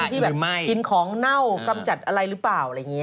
ที่แบบกินของเน่ากำจัดอะไรหรือเปล่าอะไรอย่างนี้